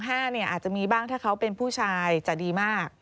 อาจจะมีบ้างถ้าเขาเป็นผู้ชายจะดีมาก